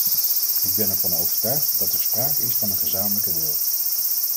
Ik ben ervan overtuigd dat er sprake is van een gezamenlijke wil.